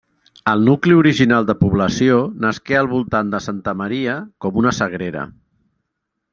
El nucli original de població nasqué al voltant de santa Maria, com una sagrera.